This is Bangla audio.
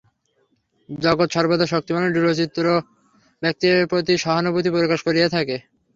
জগৎ সর্বদা শক্তিমান ও দৃঢ়চিত্ত ব্যক্তিদের প্রতিই সহানুভূতি প্রকাশ করিয়া থাকে।